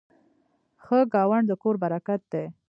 ښه ګاونډ د کور برکت دی.